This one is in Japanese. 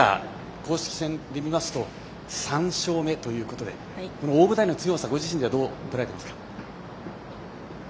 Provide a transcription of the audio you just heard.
公式戦で見ますと３勝目ということで大舞台の強さご自身ではどうとらえていますか？